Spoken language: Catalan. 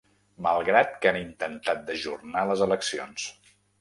Malgrat que han intentat d’ajornar les eleccions.